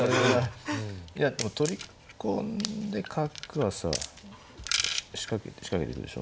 いやでも取り込んで角はさ仕掛けてくでしょ。